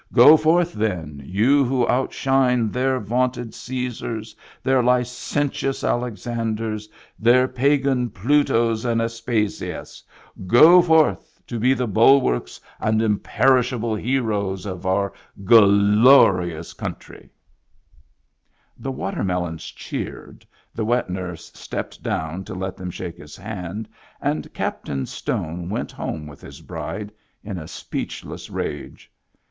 Go forth then, you who outshine their vaunted Caesars, their licentious Alexanders, their pagan Plutos and Aspasias ! Go forth to be the bulwarks and imperishable heroes of our gul lorious country I" The watermelons cheered, the wet nurse stepped down to let them shake his hand, and Captain Stone went home with his bride, in a speechless rage.